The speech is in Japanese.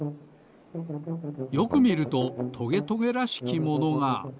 よくみるとトゲトゲらしきものが。